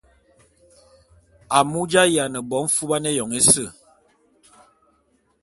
Amu j’ayiane bo mfuban éyoñ ése.